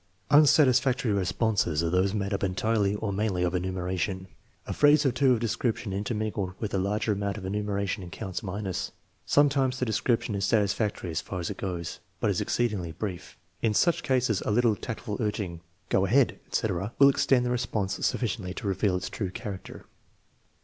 Unsatisfactory responses are those made up entirely or mainly of enumeration. A phrase or two of description intermingled with a larger amount of enumeration counts minus. Sometimes the description is satisfactory as far as it goes, but is exceedingly brief. In such cases a little tactful urging (" Go ahead" etc.) will extend the response sufficiently to reveal its true character.